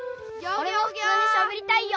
おれもふつうにしゃべりたいよ！